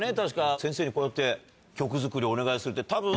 先生にこうやって曲作りお願いするってたぶん。